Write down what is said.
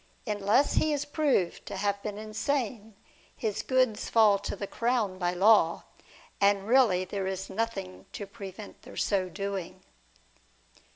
Unless he is proved to have heen insane, his goods fall to the crown by law ; and really there is nothing to prevent their so doing.